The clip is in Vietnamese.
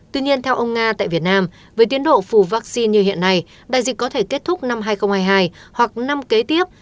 tuy nhiên theo ông nga tại việt nam với tiến độ phủ vaccine như hiện nay đại dịch có thể kết thúc năm hai nghìn hai mươi hai hoặc năm kế tiếp